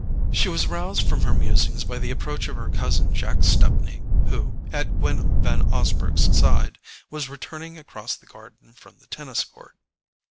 She was roused from her musings by the approach of her cousin Jack Stepney who, at Gwen Van Osburgh's side, was returning across the garden from the tennis court.